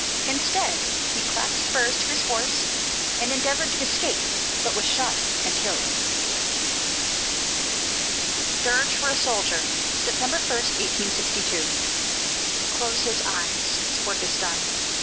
Instead, he clapped spurs to his horse and endeavored to escape, but was shot and killed. DIRGE FOR A SOLDIER [September 1, 1862] Close his eyes; his work is done!